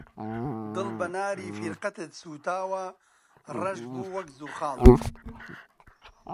دڵ بە ناری فیرقەتت سووتاوە، ڕەش بوو وەک زوخاڵ